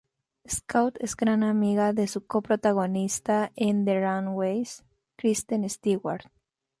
Scout es gran amiga de su co-protagonista en "The Runaways", Kristen Stewart.